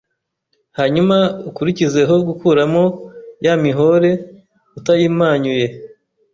Hanyuma ukurikizeho gukuramo ya mihore utayimanyuye,